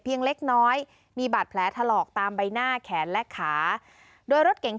เล็กน้อยมีบาดแผลถลอกตามใบหน้าแขนและขาโดยรถเก๋ง